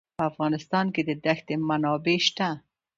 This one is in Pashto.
په افغانستان کې د دښتې منابع شته.